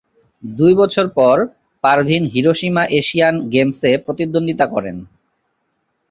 দুই বছর পর, পারভীন হিরোশিমা এশিয়ান গেমসে প্রতিদ্বন্দ্বিতা করেন।